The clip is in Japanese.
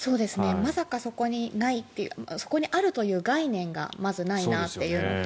まさかそこにあるという概念がまずないなっていうのと